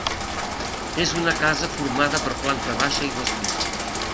És una casa formada per planta baixa i dos pisos.